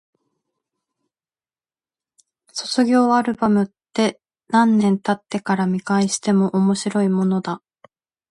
卒業アルバムって、何年経ってから見返しても面白いものだ。